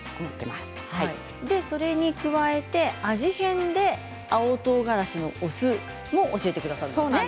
それに加えて味変で青とうがらしのお酢を教えてくださると。